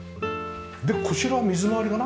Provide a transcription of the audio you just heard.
でこちらは水回りかな？